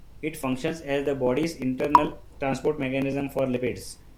It functions as the body's internal transport mechanism for lipids.